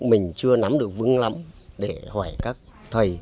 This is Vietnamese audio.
mình chưa nắm được vững lắm để hỏi các thầy